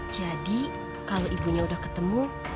kalau ibunya udah ketemu